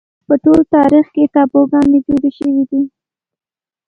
په ټول تاریخ کې تابوگانې جوړې شوې دي